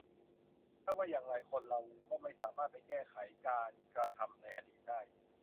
ไม่ว่าอย่างไรคนเราก็ไม่สามารถไปแก้ไขการกระทำในอดีตได้